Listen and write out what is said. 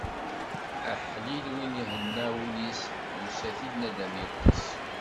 Aḥlil win ihenna wul-is, yusa-t-id naddam yeṭṭes.